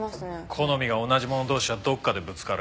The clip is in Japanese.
好みが同じ者同士はどこかでぶつかる。